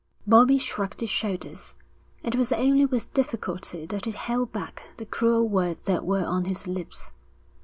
Bobbie shrugged his shoulders. It was only with difficulty that he held back the cruel words that were on his lips.